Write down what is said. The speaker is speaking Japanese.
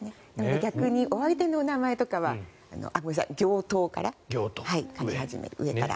逆にお相手の名前とかは行頭から書き始める。